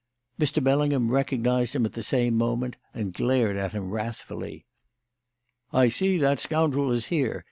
Mr. Bellingham recognised him at the same moment and glared at him wrathfully. "I see that scoundrel is here!"